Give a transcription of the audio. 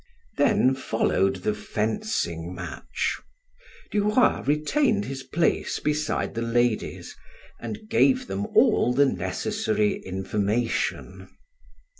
Then followed the fencing match. Du Roy retained his place beside the ladies and gave them all the necessary information.